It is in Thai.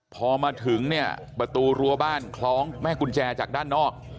พอมาถึงเนี่ยประตูรั้วบ้านคล้องแม่กุญแจจากด้านนอก